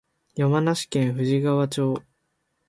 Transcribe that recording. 山梨県富士川町